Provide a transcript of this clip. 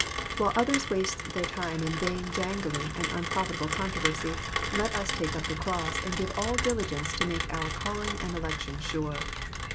While others waste their time in vain jangling and un profitable controversy, let us take up the cross and give all diligence to make our calling and election sure.